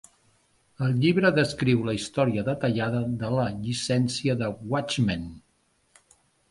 El llibre descriu la història detallada de la llicència de Watchmen.